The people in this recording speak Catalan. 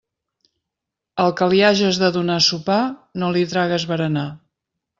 Al que li hages de donar sopar no li tragues berenar.